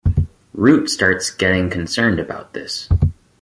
Root starts getting concerned about this.